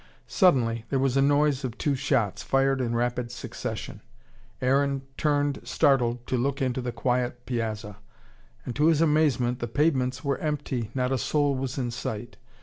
Suddenly there was a noise of two shots, fired in rapid succession. Aaron turned startled to look into the quiet piazza. And to his amazement, the pavements were empty, not a soul was in sight.